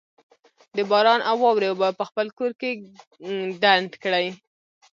د باران او واورې اوبه په خپل کور، کلي کي ډنډ کړئ